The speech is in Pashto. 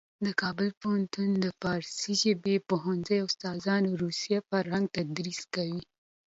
د کابل پوهنتون فارسي ژبې پوهنځي استادان روسي فرهنګ تدریس کوي.